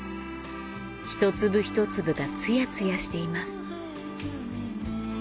１粒１粒がツヤツヤしています。